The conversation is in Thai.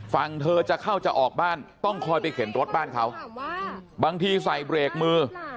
ฝั่งเธอจะเข้าจะออกบ้านต้องคอยไปเข็นรถบ้านเขาบางทีใส่เบรกมือ